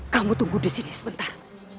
kamu tunggu di sini sebentar